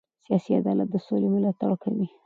سیاسي عدالت د سولې ملاتړ کوي